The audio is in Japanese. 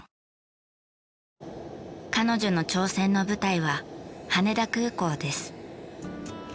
彼女の挑戦の舞台は羽田空港です。